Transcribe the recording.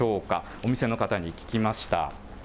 お店の方に聞きました。